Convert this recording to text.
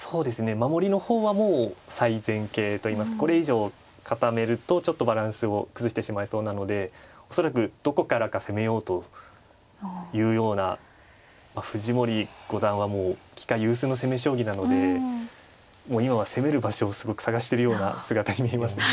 守りの方はもう最善形といいますかこれ以上固めるとちょっとバランスを崩してしまいそうなので恐らくどこからか攻めようというような藤森五段はもう棋界有数の攻め将棋なのでもう今は攻める場所をすごく探してるような姿に見えますね。